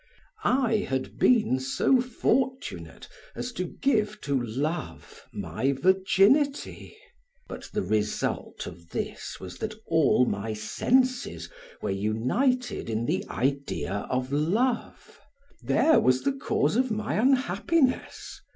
I had been so fortunate as to give to love my virginity. But the result of this was that all my senses were united in the idea of love; there was the cause of my unhappiness.